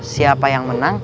siapa yang menang